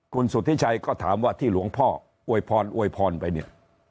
คุณสุธิชัยก็ถามว่าที่หลวงพ่ออวยพรอวยพรไปเนี่ย